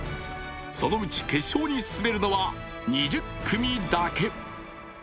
そのうち決勝に進めるのは２０組だけ。